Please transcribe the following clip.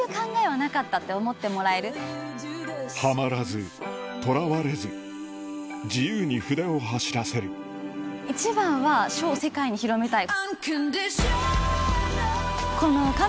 はまらずとらわれず自由に筆を走らせる一番は書を世界に広めたい。